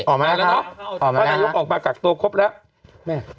ออกมาแล้วออกมาแล้วออกมาแล้วออกมากับตัวครบแล้วแม่